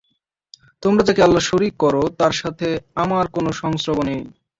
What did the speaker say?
তোমরা যাকে আল্লাহর শরীক কর তার সাথে আমার কোন সংশ্রব নেই।